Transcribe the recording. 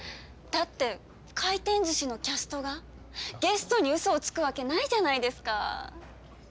だって回転ずしのキャストがゲストにうそをつくわけないじゃないですか。